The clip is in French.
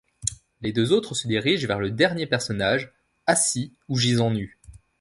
Les deux autres se dirigent vers le dernier personnage, assis ou gisant nu.